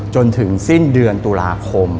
จนถึงสิ้นเดือนตุลาคม